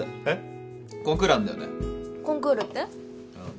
えっ？